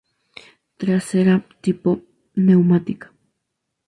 Trasera-Tipo: neumática.